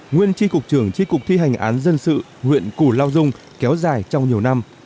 nguyên tri cục trưởng tri cục thi hành án dân sự huyện củ lao dung kéo dài trong nhiều năm